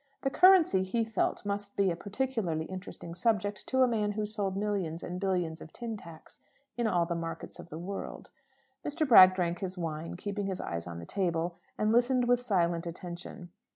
The currency, he felt, must be a peculiarly interesting subject to a man who sold millions and billions of tin tacks in all the markets of the world. Mr. Bragg drank his wine, keeping his eyes on the table, and listened with silent attention.